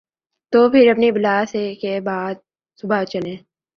تو پھر اپنی بلا سے کہ باد صبا چلے۔